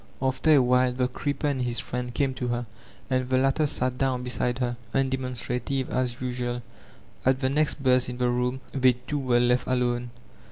After a while the creeper and his friend came to her, and the latter sat down beside her, undemonstrative as usual At the next buzz in the room they two were left akme.